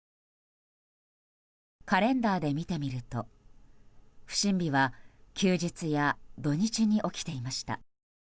カレンダーで見てみると不審火は休日や土日に起きていました。